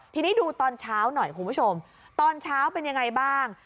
ทีนี้ดูตอนเช้าหน่อยคุณผู้ชมตอนเช้าเป็นยังไงบ้าง